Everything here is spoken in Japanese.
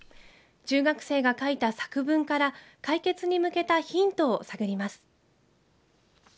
中学生が書いた作文から解決に向けたヒントを探ります。